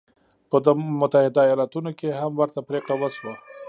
په متحده ایالتونو کې هم ورته پرېکړه وشوه.